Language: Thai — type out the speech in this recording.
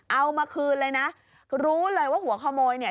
เอามาคืนเลยนะรู้เลยว่าหัวขโมยเนี่ย